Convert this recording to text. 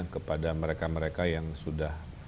kepada mereka mereka yang sudah